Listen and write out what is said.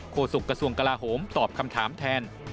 โศกระทรวงกลาโหมตอบคำถามแทน